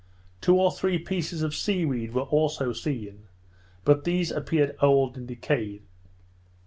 Two or three pieces of seaweed were also seen, but these appeared old and decayed.